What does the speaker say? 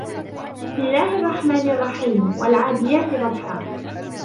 بِسمِ اللَّهِ الرَّحمنِ الرَّحيمِ وَالعادِياتِ ضَبحًا